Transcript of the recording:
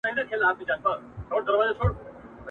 یوه بل ته په خوږه ژبه ګویان سول !.